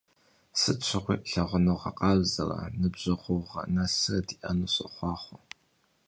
Sıt şığui lhağunığe khabzere nıbjeğuğe nesre di'enu soxhuaxhue!